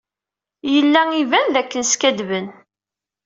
Yella iban dakken skaddben.